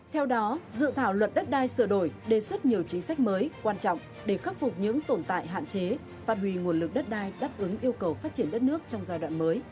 theo đó dự thảo luật đất đai sửa đổi đề xuất nhiều chính sách mới quan trọng để khắc phục những tồn tại hạn chế phát huy nguồn lực đất đai đáp ứng yêu cầu phát triển đất nước trong giai đoạn mới